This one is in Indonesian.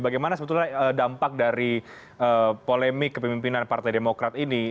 bagaimana sebetulnya dampak dari polemik kepemimpinan partai demokrat ini